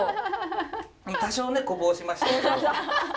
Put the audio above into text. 多少ねこぼしましたけど。